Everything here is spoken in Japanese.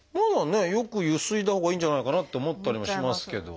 よくゆすいだほうがいいんじゃないかなって思ったりもしますけど。